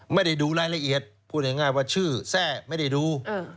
ไม่ได้ดูรายละเอียดพูดง่ายว่าชื่อแทร่ไม่ได้ดู